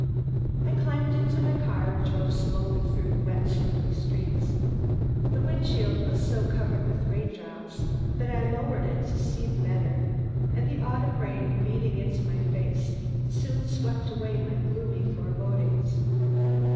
I climbed into my car and drove slowly through the wet slippery streets. The windshield was so covered with rain drops that I lowered it to see the better, and the autumn rain, beating into my face, soon swept away my gloomy forebodings.